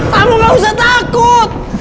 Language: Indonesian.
kamu gak usah takut